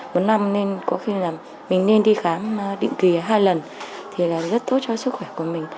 một năm nên có khi là mình nên đi khám định kỳ hai lần thì là rất tốt cho sức khỏe của mình